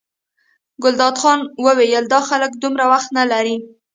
ګلداد خان وویل دا خلک دومره وخت نه لري.